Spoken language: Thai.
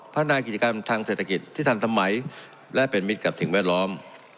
พัฒนากิจกรรมทางเศรษฐกิจที่ทันสมัยและเป็นมิตรกับสิ่งแวดล้อม